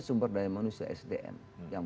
sumber daya manusia sdm yang